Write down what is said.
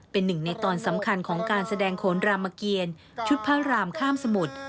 เป็นหนึ่งในตอนสำคัญของการแสดงโขนรามเกียรชุดพระรามข้ามสมุทร